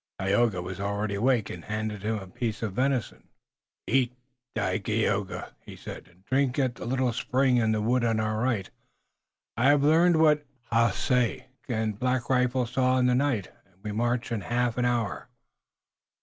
Tayoga was already awake and handed him a piece of venison. "Eat, Dagaeoga," he said, "and drink at the little spring in the wood on our right. I have learned what Haace and Black Rifle saw in the night, and we march in half an hour."